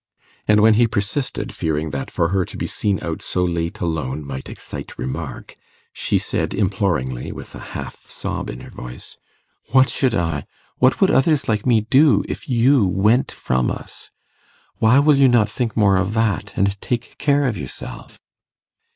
And when he persisted, fearing that for her to be seen out so late alone might excite remark, she said imploringly, with a half sob in her voice, 'What should I what would others like me do, if you went from us? Why will you not think more of that, and take care of yourself?